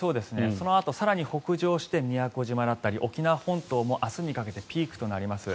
そのあと更に北上して宮古島だったり沖縄本島も明日にかけてピークになります。